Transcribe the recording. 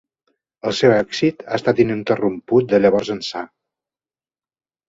El seu èxit ha estat ininterromput de llavors ençà.